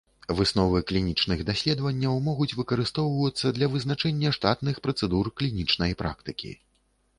Высновы клінічных даследаванняў могуць выкарыстоўвацца для вызначэння штатных працэдур клінічнай практыкі.